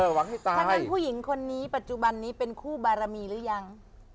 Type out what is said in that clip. ถ้างั้นผู้หญิงคนนี้ปัจจุบันนี้เป็นคู่บารมีหรือยัง